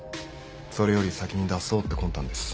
それより先に出そうって魂胆です。